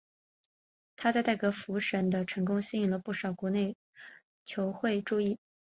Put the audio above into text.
他在代格福什的成功吸引不少国内球会注意。